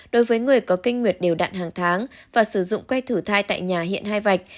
đối với người có kinh nguyệt đều đạn hàng tháng và sử dụng que thử thai tại nhà hiện hai vạch